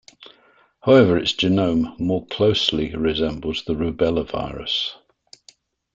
However, its genome more closely resembles the rubella virus.